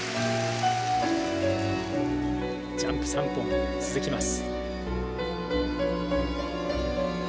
ジャンプ３本続きます。